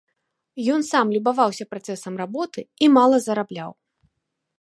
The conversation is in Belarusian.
Ён сам любаваўся працэсам работы і мала зарабляў.